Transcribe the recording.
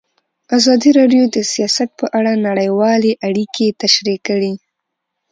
ازادي راډیو د سیاست په اړه نړیوالې اړیکې تشریح کړي.